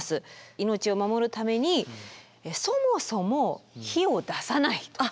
命を守るためにそもそも火を出さないということ。